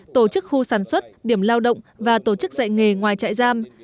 tổ chức khu sản xuất điểm lao động và tổ chức dạy nghề ngoài chạy giam